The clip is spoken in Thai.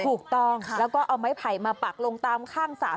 ถูกต้องแล้วก็เอาไม้ไผ่มาปักลงตามข้างสระ